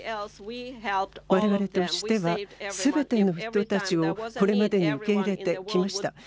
われわれとしてはすべての人たちをこれまで受け入れてきました。